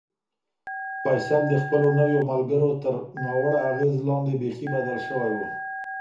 فیصل د خپلو نویو ملګرو تر ناوړه اغېز لاندې بیخي بدل شوی و.